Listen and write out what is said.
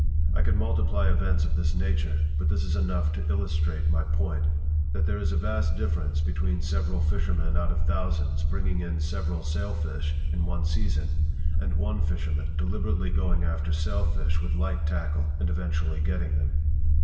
I could multiply events of this nature, but this is enough to illustrate my point—that there is a vast difference between several fishermen out of thousands bringing in several sailfish in one season and one fisherman deliberately going after sailfish with light tackle and eventually getting them.